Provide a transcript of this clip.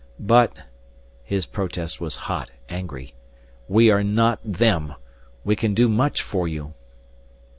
"But" his protest was hot, angry "we are not them! We can do much for you."